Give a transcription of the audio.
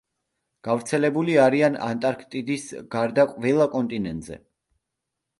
გავრცელებული არიან ანტარქტიდის გარდა ყველა კონტინენტზე.